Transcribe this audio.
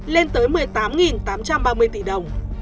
lên tới một mươi tám tám trăm ba mươi tỷ đồng